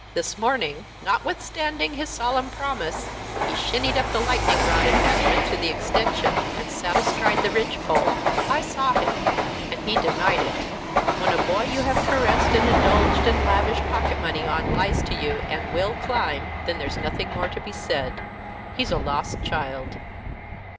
This morning, notwithstanding his solemn promise, he shinned up the lightning rod attached to the extension, and sat astride the ridge pole. I saw him, and he denied it! When a boy you have caressed and indulged and lavished pocket money on lies to you and will climb, then there's nothing more to be said. He's a lost child."